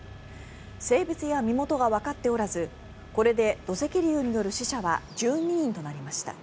性別や身元がわかっておらずこれで土石流による死者は１２人となりました。